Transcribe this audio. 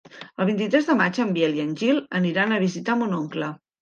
El vint-i-tres de maig en Biel i en Gil aniran a visitar mon oncle.